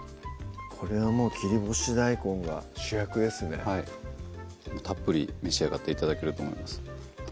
これはもう切り干し大根が主役ですねはいたっぷり召し上がって頂けると思います